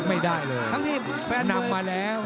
ไม่ได้เลย